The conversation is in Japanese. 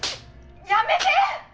やめて！